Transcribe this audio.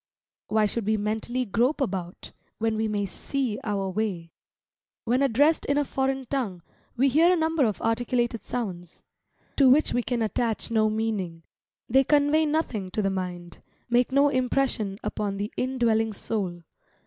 Why should we mentally grope about, when we may see our way? When addressed in a foreign tongue, we hear a number of articulated sounds, to which we can attach no meaning; they convey nothing to the mind, make no impression upon the in dwelling soul.